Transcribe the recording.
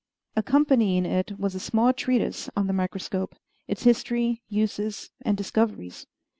Accompanying it was a small treatise on the microscope its history, uses, and discoveries.